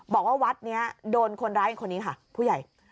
บอกว่าวัดนี้โดนคนร้ายคนนี้ค่ะผู้ใหญ่